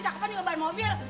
cakepan nih beban mobil